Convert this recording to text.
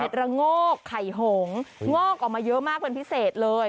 เห็ดหายหงงอกออกมาเยอะมากเป็นพิเศษเลย